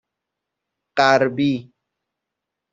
غربی